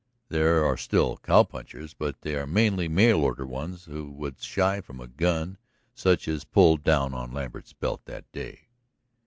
There are still cow punchers, but they are mainly mail order ones who would shy from a gun such as pulled down on Lambert's belt that day.